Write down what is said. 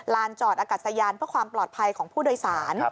จอดอากาศยานเพื่อความปลอดภัยของผู้โดยสาร